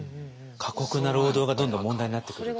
過酷な労働がどんどん問題になってくると。